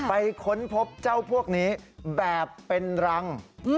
ค้นพบเจ้าพวกนี้แบบเป็นรัง